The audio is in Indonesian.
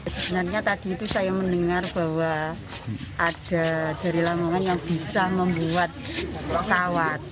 sebenarnya tadi itu saya mendengar bahwa ada dari lamongan yang bisa membuat pesawat